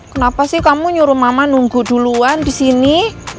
kenapa sih kamu nyuruh mama nunggu duluan disini